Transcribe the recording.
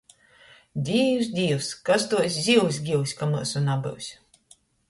Dīvs, Dīvs, kas tuos zivs gius, ka myusu nabyus.